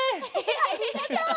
ありがとう。